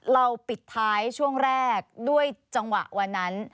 เราปิดท้ายช่วงแรกด้วยจังหวะวันนั้น